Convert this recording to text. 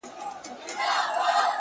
تاسي له خدایه سره څه وکړل کیسه څنګه سوه،